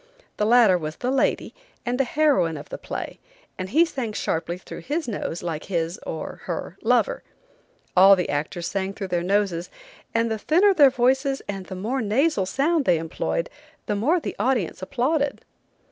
The latter was the lady, and the heroine of the play, and he sang sharply through his nose like his, or her, lover. All the actors sang through their noses, and the thinner their voices and the more nasal sound they employed the more the audience applauded.